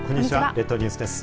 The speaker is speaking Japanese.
列島ニュースです。